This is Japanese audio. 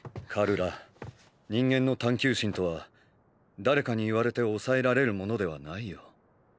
カルラ人間の探求心とは誰かに言われて抑えられるものではないよ。